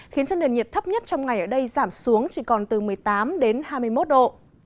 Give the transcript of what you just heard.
khiến cho nền nhiệt thấp nhất trong ngày ở đây giảm xuống chỉ còn từ một mươi tám đến hai mươi một độ